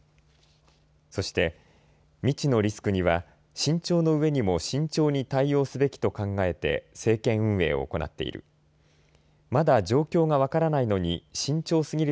そして、未知のリスクには慎重の上にも慎重に対応すべきと考えて政権運営を行っている。